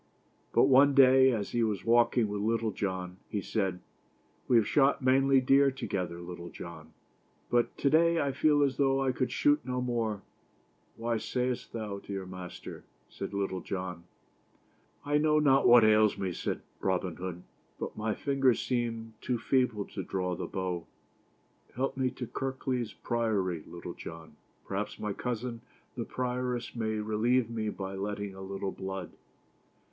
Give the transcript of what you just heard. But one day, as he was walking with Little John, he said : "We have shot many deer together, Luctle John, but to day I feel as though I could shoot no more." "Why sayest thou so, dear master?" said Little John. "I know not what ails me," said Robin Hood, "but my fingers seem too feeble to draw the bow. Help me to Kirk leys Priory, Little John, perhaps my cousin, the Prioress, may relieve me by letting a little blood."